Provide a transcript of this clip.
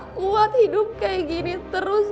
aku gak kuat hidup kayak gini terus ma